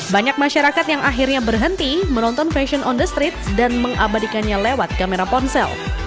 banyak masyarakat yang akhirnya berhenti menonton fashion on the streets dan mengabadikannya lewat kamera ponsel